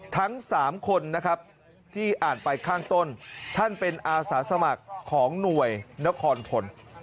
ทั้ง๓คนนะครับที่อ่านไปข้างต้นท่านเป็นอาสาสมัครของหน่วยนครทน